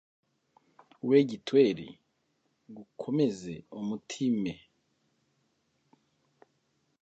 we gitweri, gukomeze umutime.